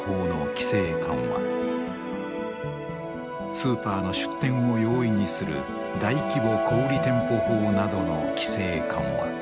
スーパーの出店を容易にする大規模小売店舗法などの規制緩和。